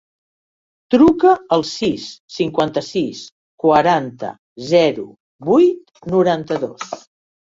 Truca al sis, cinquanta-sis, quaranta, zero, vuit, noranta-dos.